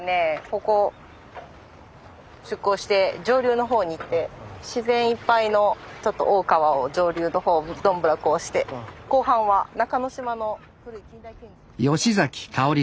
ここを出航して上流の方に行って自然いっぱいのちょっと大川を上流の方をどんぶらこして後半は中之島の。